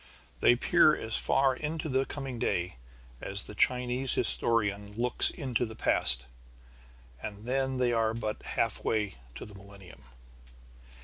They peer as far into the coming day as the Chinese historian looks into the past. And then they are but halfway to the millennium.